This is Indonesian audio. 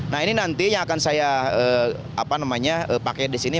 nah ini nanti yang akan saya pakai di sini